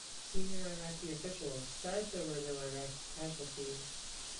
Senior Iraqi officials said there were no Iraqi casualties.